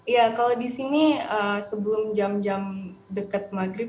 ya kalau di sini sebelum jam jam deket maghrib